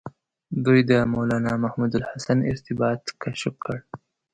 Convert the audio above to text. دوی د مولنا محمود الحسن ارتباط کشف کړ.